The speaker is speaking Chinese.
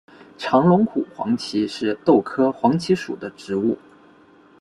长龙骨黄耆是豆科黄芪属的植物。